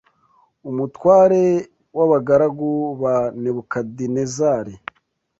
umutware w’abagaragu ba Nebukadinezari